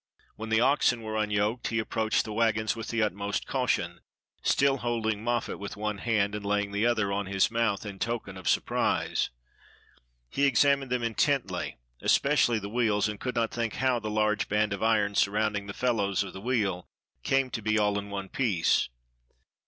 When the oxen were unyoked, he approached the wagons with the utmost caution, still holding Moffat with one hand, and laying the other on his mouth, in token of surprise. He examined them intently, espe cially the wheels, and could not think how the large band of iron surrounding the felloes of the wheel came to be all in one piece.